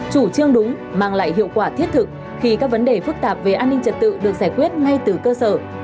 chủ trương đúng mang lại hiệu quả thiết thực khi các vấn đề phức tạp về an ninh trật tự được giải quyết ngay từ cơ sở